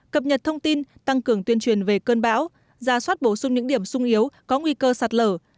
cập nhật thông tin tăng cường tuyên truyền về cơn bão ra soát bổ sung những điểm sung yếu có nguy cơ sạt lở